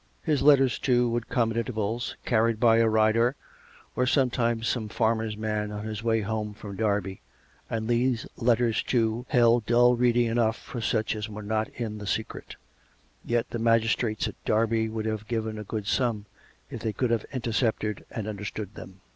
His letters, too, would come at intervals, carried by a rider, or some times some farmer's man on his way home from Derby, and these letters, too, held dull reading enough for such as were not in the secret. Yet the magistrates at Derby would have given a good sum if they could have inter cepted and understood them.